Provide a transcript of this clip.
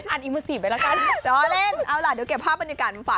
อันอิมมุสิบไปแล้วกัน